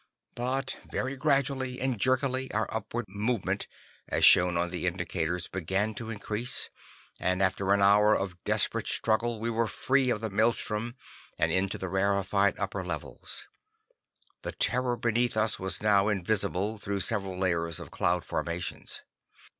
But very gradually and jerkily our upward movement, as shown on the indicators, began to increase, and after an hour of desperate struggle we were free of the maelstrom and into the rarefied upper levels. The terror beneath us was now invisible through several layers of cloud formations.